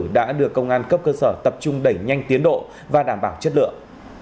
đã được công an cấp cơ sở tập trung đẩy nhanh tiến độ và đảm bảo chất lượng